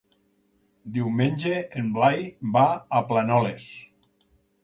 Diumenge en Blai va a Planoles.